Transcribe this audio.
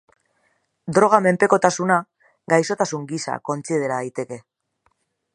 Droga menpekotasuna gaixotasun gisa kontsidera daiteke.